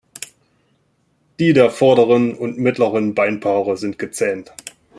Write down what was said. Die der vorderen und mittleren Beinpaare sind gezähnt.